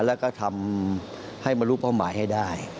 แล้วก็ทำให้มารู้เป้าหมายให้ได้